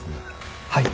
はい。